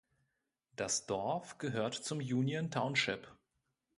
Das Dorf gehört zum Union Township.